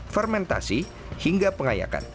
fermentasi hingga pengayakan